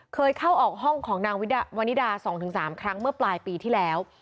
เคยเข้าออกห้องของนางวันนิดา๒๓ครั้งเมื่อปลายปีที่แล้ว